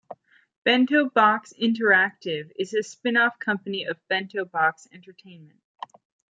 Bento Box Interactive is a spin-off company of Bento Box Entertainment.